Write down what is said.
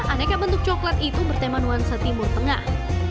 aneka bentuk coklat itu bertema nuansa timur tengah